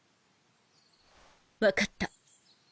わかった。